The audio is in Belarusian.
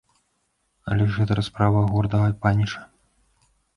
Але ж гэта расправа гордага паніча.